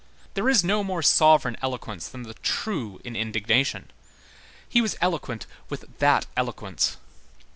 There is no more sovereign eloquence than the true in indignation; he was eloquent with that eloquence.